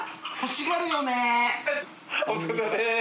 お疲れさまです。